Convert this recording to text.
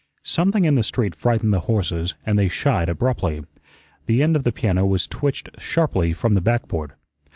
Something in the street frightened the horses and they shied abruptly. The end of the piano was twitched sharply from the backboard.